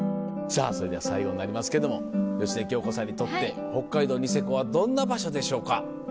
それでは最後になりますけども芳根京子さんにとって北海道・ニセコはどんな場所でしょうか？